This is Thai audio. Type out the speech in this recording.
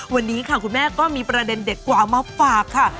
วันนี้ค่ะคุณแม่ก็มีประเด็นเด็ดกว่ามาฝากค่ะ